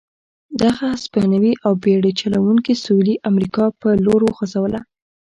دغه هسپانوي او بېړۍ چلوونکي سوېلي امریکا په لور وخوځوله.